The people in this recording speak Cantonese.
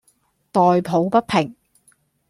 代抱不平；